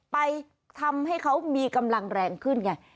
ไปทำให้เขามีกำลังแรงขึ้นไง